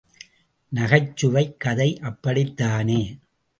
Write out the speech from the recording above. நகைச்சுவைக் கதை அப்படித்தானே?